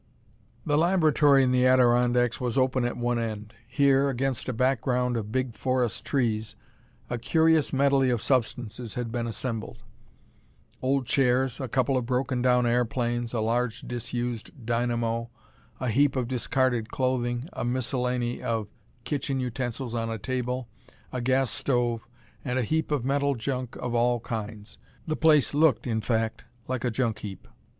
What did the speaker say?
The laboratory in the Adirondacks was open at one end. Here, against a background of big forest trees, a curious medley of substances had been assembled: old chairs, a couple of broken down airplanes, a large disused dynamo, a heap of discarded clothing, a miscellany of kitchen utensils on a table, a gas stove, and a heap of metal junk of all kinds. The place looked, in fact, like a junk heap.